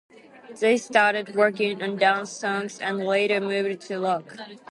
They started working on dance songs and later moved to rock.